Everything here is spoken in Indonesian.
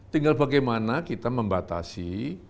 tinggal bagaimana kita membatasi